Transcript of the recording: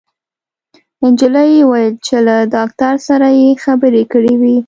انجلۍ وويل چې له داکتر سره يې خبرې کړې وې